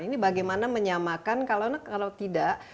ini bagaimana menyamakan kalau tidak